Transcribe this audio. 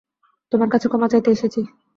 তোমার কাছে ক্ষমা চাইতে এসেছি।